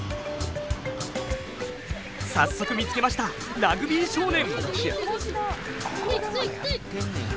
早速見つけましたラグビー少年！